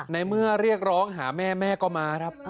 ในเมื่อมาหาแม่แม่ก็มา